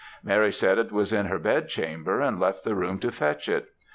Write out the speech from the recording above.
Mary said it was in her bed chamber, and left the room to fetch it.